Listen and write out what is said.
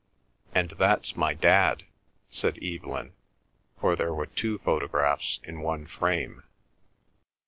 "And that's my dad," said Evelyn, for there were two photographs in one frame.